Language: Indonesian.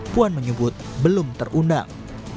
puan menyebut belum terundang